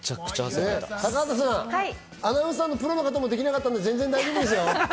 高畑さん、アナウンサーのプロの方もできなかったんで大丈夫ですよ。